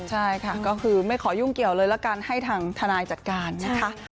ใช่ค่ะก็คือไม่ขอยุ่งเกี่ยวเลยละกันให้ทางทนายจัดการนะคะ